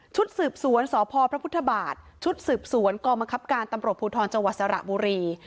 สืบสวนสพพระพุทธบาทชุดสืบสวนกองบังคับการตำรวจภูทรจังหวัดสระบุรี